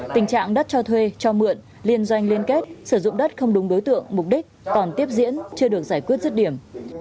tình trạng đất cho thuê cho mượn liên doanh liên kết sử dụng đất không đúng đối tượng mục đích còn tiếp diễn chưa được giải quyết rứt điểm